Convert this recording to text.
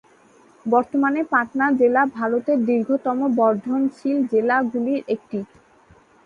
বর্তমানে পাটনা জেলা ভারতের দ্রুততম বর্ধনশীল জেলাগুলির একটি।